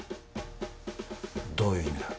どういう意味だ？